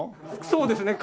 そうですね。